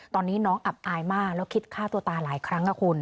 ตอนนี้น้องอับอายมากแล้วคิดฆ่าตัวตายหลายครั้งค่ะคุณ